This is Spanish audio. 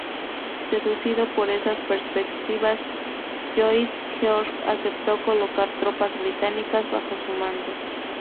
Seducido por esas perspectivas, Lloyd George aceptó colocar tropas británicas bajo su mando.